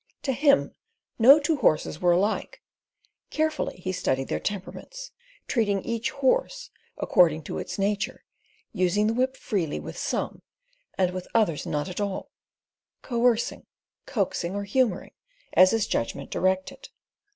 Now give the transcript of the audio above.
To him no two horses were alike; carefully he studied their temperaments, treating each horse according to its nature using the whip freely with some, and with others not at all; coercing, coaxing, or humouring, as his judgment directed.